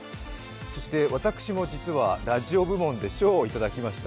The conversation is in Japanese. そして私も実はラジオ部門で賞をいただきました。